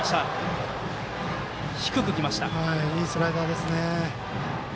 いいスライダーですね。